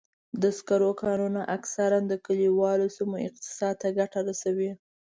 د سکرو کانونه اکثراً د کلیوالو سیمو اقتصاد ته ګټه رسوي.